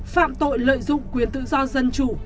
phạm tội lợi dụng quyền tự do dân chủ